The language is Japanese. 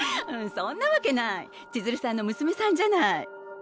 そんなわけない千鶴さんの娘さんじゃない